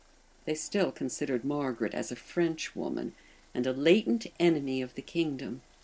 They still considered Margaret as a French woman, and a latent enemy of the kingdom.